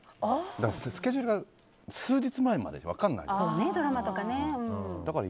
スケジュールが数日前まで分からないから。